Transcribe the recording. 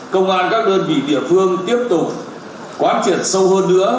công an các đơn vị địa phương tiếp tục quán triển sâu hơn nữa